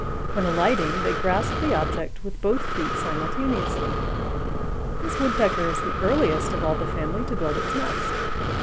When alighting, they grasp the object with both feet simultaneously. This Woodpecker is the earliest of all the family to build its nest.